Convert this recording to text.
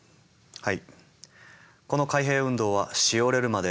はい。